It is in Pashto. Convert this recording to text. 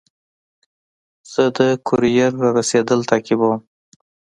زه د کوریر رارسېدل تعقیبوم.